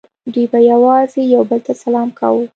دوی به یوازې یو بل ته سلام کاوه